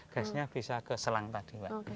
gasnya bisa ke selang tadi pak